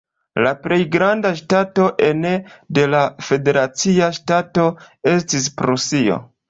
La plej granda ŝtato ene de la federacia ŝtato estis Prusio.